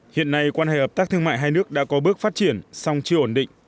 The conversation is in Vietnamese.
hiện nay quan hệ hợp tác thương mại hai nước đã có bước phát triển song chưa ổn định